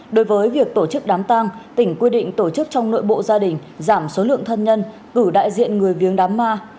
đối với việc tổ chức đám tang tỉnh quy định tổ chức trong nội bộ gia đình giảm số lượng thân nhân cử đại diện người viếng đám ma